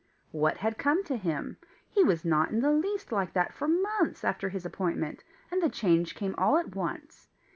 What had come to him? He was not in the least like that for months after his appointment, and the change came all at once!